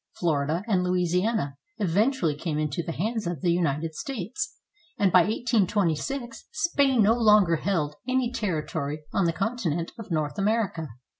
Florida and Louisiana eventually came into the hands of the United States, and by 1826 Spain no longer held any territory on the continent of North America.